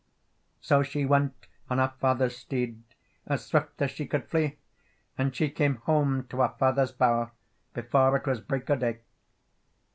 So she went on her father's steed, As swift as she could flee, And she came home to her father's bower Before it was break of day.